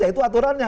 ya itu aturannya